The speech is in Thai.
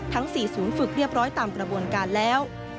ทั้ง๔ศูนย์ฝึกเรียบร้อยตามกระบวนการแล้ว